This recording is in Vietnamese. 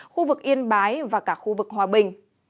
khu vực yên bái và cả khu vực hòa bình